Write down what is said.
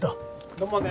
どうもね。